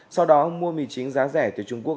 sau đó mua mì chính giá rẻ từ trung quốc